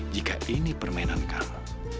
jika ini permainan kamu